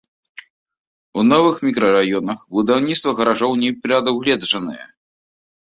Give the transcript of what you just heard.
У новых мікрараёнах будаўніцтва гаражоў не прадугледжанае.